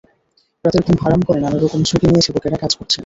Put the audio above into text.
রাতের ঘুম হারাম করে নানা রকম ঝুঁকি নিয়ে সেবকেরা কাজ করছেন।